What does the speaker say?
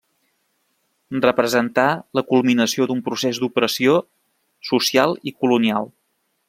Representà la culminació d'un procés d'opressió social i colonial.